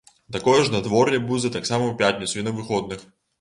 Такое ж надвор'е будзе таксама ў пятніцу і на выходных.